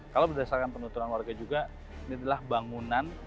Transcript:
kalau berdasarkan penuturan warga juga ini adalah bangunan